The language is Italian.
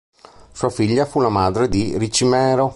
Sua figlia fu la madre di Ricimero.